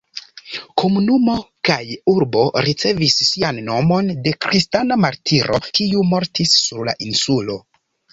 Komunumo kaj urbo ricevis sian nomon de kristana martiro, kiu mortis sur la insulo.